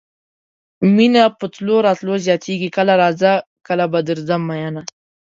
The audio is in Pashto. مينه په تلو راتلو زياتيږي کله راځه کله به زه درځم مينه